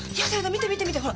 見て見て見てほら。